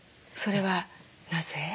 それはなぜ？